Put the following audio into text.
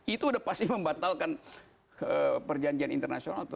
itu udah pasti membatalkan perjanjian internasional tuh